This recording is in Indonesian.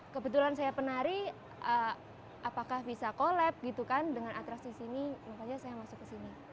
kebetulan saya penari apakah bisa collab gitu kan dengan atraksi sini makanya saya masuk ke sini